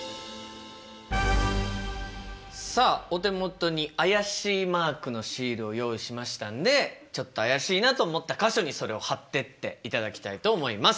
さあお手元に怪しいマークのシールを用意しましたんでちょっと怪しいなと思った箇所にそれを貼ってっていただきたいと思います。